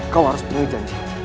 kau harus penuhi janji